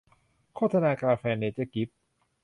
โฆษณากาแฟ เนเจอร์กิ๊ฟ